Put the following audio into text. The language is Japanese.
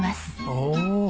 おお。